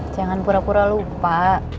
jangan pura pura lupa